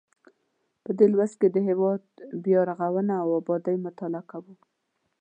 په دې لوست کې د هیواد بیا رغونه او ابادي مطالعه کوو.